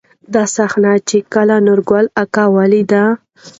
دا صحنه، چې کله نورګل کاکا ولېده.